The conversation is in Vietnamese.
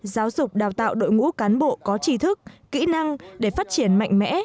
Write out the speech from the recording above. giáo dục đào tạo đội ngũ cán bộ có trí thức kỹ năng để phát triển mạnh mẽ